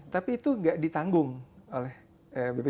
tapi itu gak ditanggung oleh bpjs